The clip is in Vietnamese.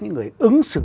những người ứng xử